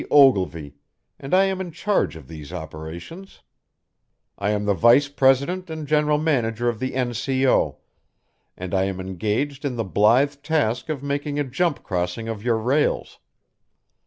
Ogilvy, and I am in charge of these operations. I am the vice president and general manager of the N.C.O., and I am engaged in the blithe task of making a jump crossing of your rails.